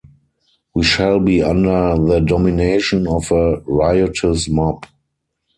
We shall be under the domination of a riotous mob.